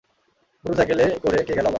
মোটরসাইকেলে করে কে গেল আবার?